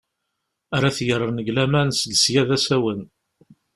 Ara t-yerren deg laman seg sya d asawen.